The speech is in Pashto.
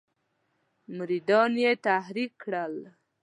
مریدان یې تحریک کړل.